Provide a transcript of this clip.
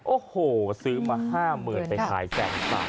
โอ้โหซื้อมา๕๐๐๐๐ไปขายแสงป่าว